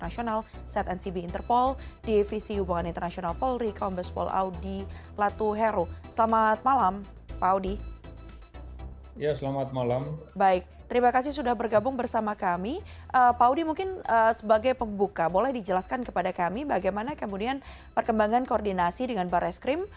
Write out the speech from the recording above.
sebagai pembuka boleh dijelaskan kepada kami bagaimana kemudian perkembangan koordinasi dengan barreskrim